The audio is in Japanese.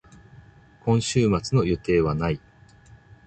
今週末の予定はない。